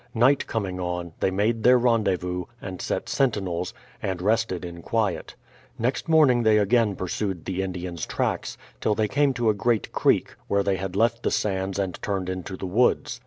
Night coming on, they made their rendezvous, and set sentinels, and rested in 67 68 BRADFORD'S HISTORY OF quiet. Next morning they again pursued the Indians' tracks, till they came to a great creek, where they had left the sands and turned into the woods.